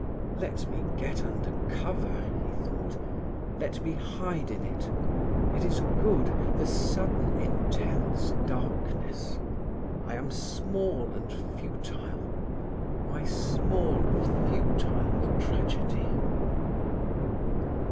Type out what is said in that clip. "Let me get under cover," he thought. "Let me hide in it; it is good, the sudden intense darkness. I am small and futile: my small, futile tragedy!"